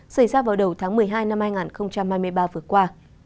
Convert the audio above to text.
xảy ra vào đầu tháng một mươi hai năm hai nghìn hai mươi ba vừa qua